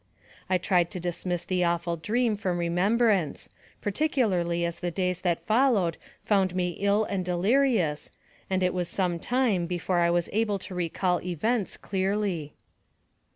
I tried to dismiss the awful dream from remem brance, particularly as the days that followed found me ill and delirious, and it was some time before 1 was able to recall events clearly.